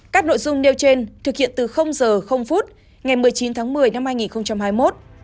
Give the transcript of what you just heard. các nội dung nêu trên thực hiện từ giờ phút ngày một mươi chín tháng một mươi năm hai nghìn hai mươi một